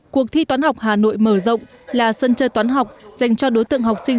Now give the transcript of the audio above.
cuộc thi toán học hà nội mở rộng là sân chơi toán học dành cho đối tượng học sinh